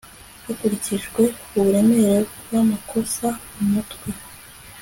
hakurikijwe uburemere bw amakosa umutwe